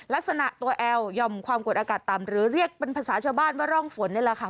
ลักษณะตัวแอลหย่อมความกดอากาศต่ำหรือเรียกเป็นภาษาชาวบ้านว่าร่องฝนนี่แหละค่ะ